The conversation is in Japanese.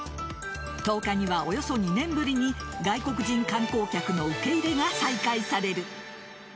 １０日には、およそ２年ぶりに外国人観光客の受け入れが再開される。